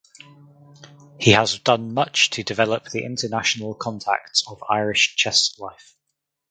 He has done much to develop the international contacts of Irish chess life.